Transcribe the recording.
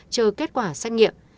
chờ kết quả xác nghiệm